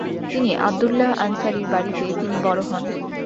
তিনি আবদুল্লাহ আনসারির বাড়িতে তিনি বড় হন।